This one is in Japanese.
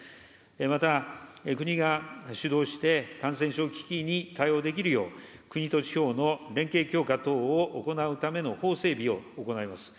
また、国が主導して感染症危機に対応できるよう、国と地方の連携強化等を行うための法整備を行います。